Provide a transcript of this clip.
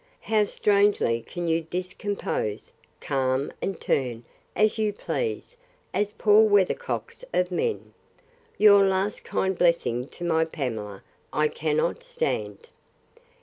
how strangely can you discompose, calm, and turn, as you please, us poor weathercocks of men! Your last kind blessing to my Pamela I cannot stand!